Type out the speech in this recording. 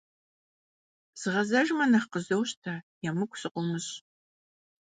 Згъэзэжмэ, нэхъ къызощтэ, емыкӀу сыкъыумыщӀ.